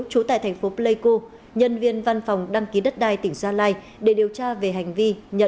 chú tại tp pleiku nhân viên văn phòng đăng ký đất đai tỉnh gia lai để điều tra về hành vi nhận hối lộ